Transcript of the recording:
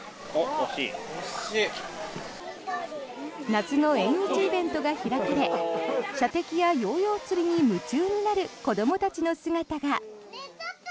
夏の縁日イベントが開かれ射的やヨーヨー釣りに夢中になる子どもたちの姿が。